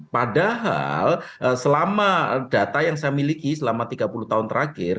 padahal selama data yang saya miliki selama tiga puluh tahun terakhir